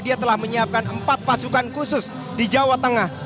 dia telah menyiapkan empat pasukan khusus di jawa tengah